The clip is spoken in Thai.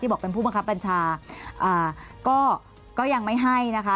บอกเป็นผู้บังคับบัญชาก็ยังไม่ให้นะคะ